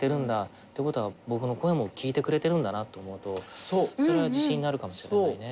ってことは僕の声も聞いてくれてるんだなって思うとそれは自信になるかもしれないね。